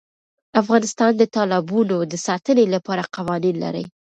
افغانستان د تالابونو د ساتنې لپاره قوانین لري.